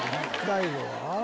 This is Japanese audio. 大悟は？